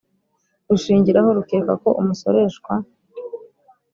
rushingiraho rukeka ko umusoreshwa